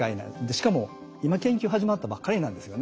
しかも今研究始まったばっかりなんですよね。